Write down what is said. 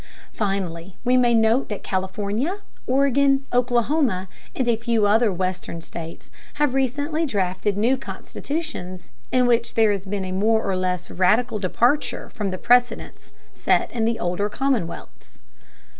Finally, we may note that California, Oregon, Oklahoma and a few other western states have recently drafted new constitutions in which there has been a more or less radical departure from the precedents set in the older commonwealths.